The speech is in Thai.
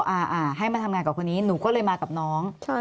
อ่าอ่าให้มาทำงานกับคนนี้หนูก็เลยมากับน้องใช่